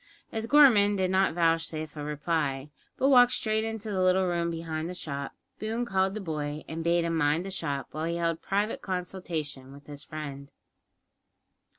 As Gorman did not vouchsafe a reply, but walked straight into the little room behind the shop, Boone called the boy, and bade him mind the shop, while he held private consultation with his friend.